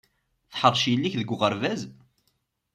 Teḥṛec yelli-k deg uɣerbaz?